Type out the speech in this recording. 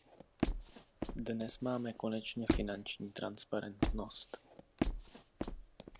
Dnes máme konečně finanční transparentnost.